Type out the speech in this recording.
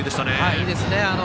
いいですね。